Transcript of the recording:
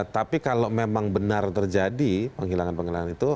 tapi kalau memang benar terjadi penghilangan penghilangan itu